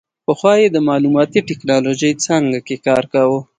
پخوا یې د معلوماتي ټیکنالوژۍ څانګه کې کار کاوه.